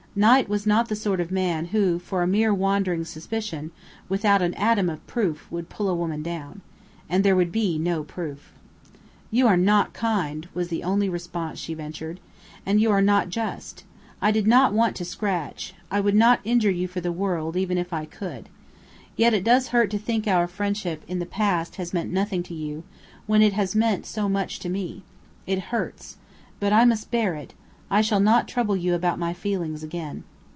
Knight was not the sort of man who for a mere wandering suspicion, without an atom of proof, would pull a woman down. And there would be no proof. "You are not kind," was the only response she ventured. "And you are not just. I did not want to 'scratch.' I would not injure you for the world, even if I could. Yet it does hurt to think our friendship in the past has meant nothing to you, when it has meant so much to me. It hurts. But I must bear it. I shall not trouble you about my feelings again."